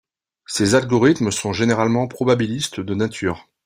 Ces algorithmes sont généralement probabilistes de nature.